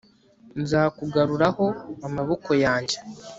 nzakugaruraho amaboko yanjye